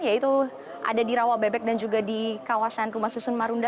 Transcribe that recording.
yaitu ada di rawa bebek dan juga di kawasan rumah susun marunda